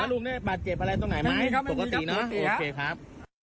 ลุงเนี่ยบาดเจ็บอะไรตรงไหนไหมปกติเนอะโอเคครับ